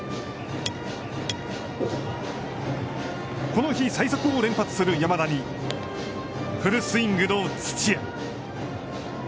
この日最速を連発する山田に、フルスイングの土屋。